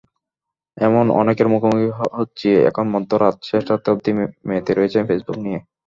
এমন অনেকের মুখোমুখি হচ্ছি এখন-মধ্যরাত, শেষ রাত অবধি মেতে রয়েছেন ফেসবুক নিয়ে।